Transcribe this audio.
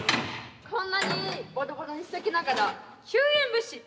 こんなにボロボロにしときながら救援物資って。